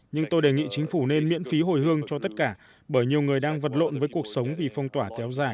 nhưng tôi đề nghị chính phủ nên miễn phí hồi hương cho tất cả bởi nhiều người đang vật lộn với cuộc sống vì phong tỏa kéo dài